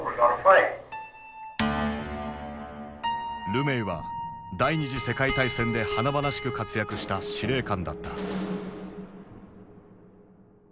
ルメイは第二次世界大戦で華々しく活躍した司令官だった。